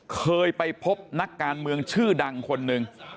เคยไปพบนักการเมืองชื่อดังคนหนึ่ง